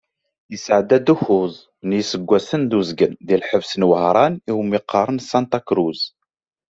Yesɛedda-d ukkuẓ n yiseggasen d uzgen di lḥebs n Wehran i wumi qqaren Sanṭa Cruz.